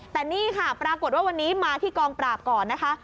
แต่นี่ค่ะปรากฏว่าวันนี้มาที่กองปราบก่อนนะคะ